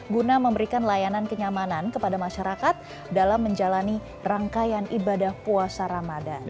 guna memberikan layanan kenyamanan kepada masyarakat dalam menjalani rangkaian ibadah puasa ramadan